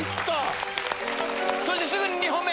そしてすぐに２本目！